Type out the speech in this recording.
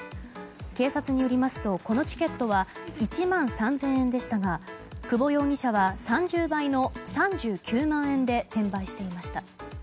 警察によりますとこのチケットは１万３０００円でしたが久保容疑者は、３０倍の３９万円で転売していました。